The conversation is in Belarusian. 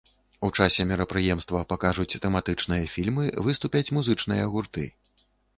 У часе мерапрыемства пакажуць тэматычныя фільмы, выступяць музычныя гурты.